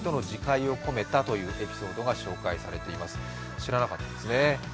知らなかったですね。